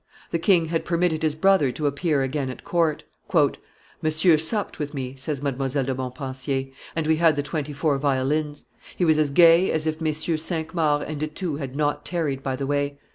The king had permitted his brother to appear again at court. "Monsieur supped with me," says Mdlle. de Montpensier, "and we had the twenty four violins; he was as gay as if MM. Cinq Mars and De Thou had not tarried by the way.